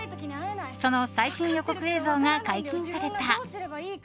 その最新予告映像が解禁された。